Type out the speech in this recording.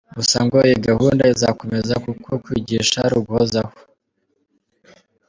Gusa ngo iyi gahunda izakomeza kuko kwigisha ari uguhozaho.